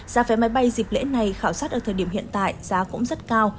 giá vé máy bay dịp lễ này khảo sát ở thời điểm hiện tại giá cũng rất cao